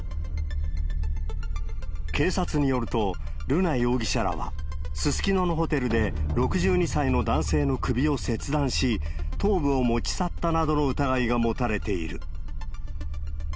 警察によると、瑠奈容疑者らは、すすきののホテルで６２歳の男性の首を切断し、頭部を持ち去ったなどの疑いが持たれている。